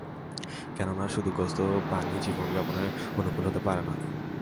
কেননা, শুধু গোশত ও পানি জীবন যাপনের অনুকূল হতে পারে না।